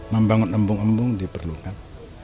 membangun embung embung diperlukan